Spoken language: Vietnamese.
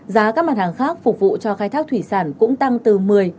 giá các mặt hàng khác phục vụ cho khai thác thủy sản cũng tăng từ một mươi ba mươi